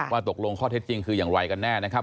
ว่าตกลงข้อเท็จจริงคืออย่างไรกันแน่นะครับ